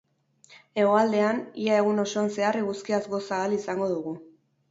Hegoaldean, ia egun osoan zehar eguzkiaz goza ahal izango dugu.